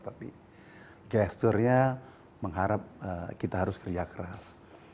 tapi gesture nya mengharap kita harus kerja keras